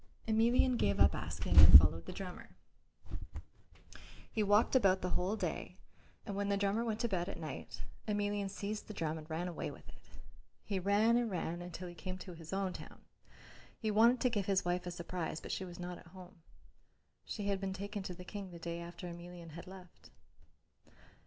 Emelian gave up asking and followed the drummer. He walked about the whole day and when the drummer went to bed at night, Emelian seized the drum and ran away with it. He ran and ran until he came to his own town. He wanted to give his wife a surprise, but she was not at home. She had been taken to the King the day after Emelian had left.